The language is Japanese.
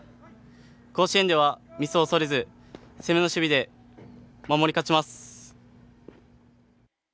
甲子園ではミスを恐れず攻めの守備で守り勝ちます。